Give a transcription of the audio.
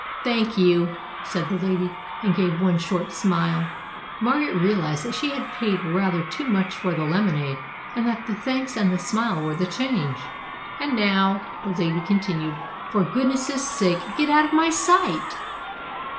"Thank you," said the lady, and gave one short smile. Margaret realized that she had paid rather too much for the lemonade, and that the thanks and the smile were the change. "And now," the lady con tinued, "for goodness' sake get out of my sight